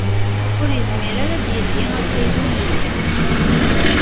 Ur yezmir ara ad d-yeldi afaylu n ugzul.